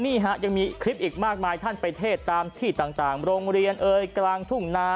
นี่ฮะยังมีคลิปอีกมากมายท่านไปเทศตามที่ต่างโรงเรียนเอ่ยกลางทุ่งนา